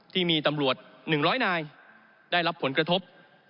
ที่มีตำรวจ๑๐๐นายได้รับผลกระทบ